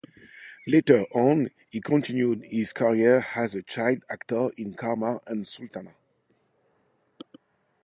Later on, he continued his career as a child actor in "Karma" and "Sultanat".